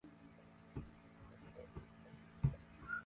Japani ni nchi ya tatu duniani kwa ukubwa wa uchumi.